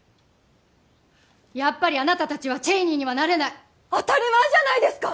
やっぱりあなた達はＣＨＡＹＮＥＹにはなれない当たり前じゃないですか！